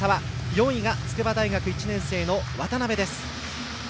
４位が筑波大学１年生の渡部です。